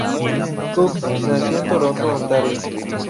Cox nació en Toronto, Ontario.